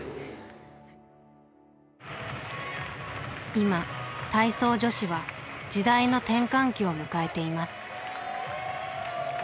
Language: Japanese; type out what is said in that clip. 今体操女子は時代の転換期を迎えています。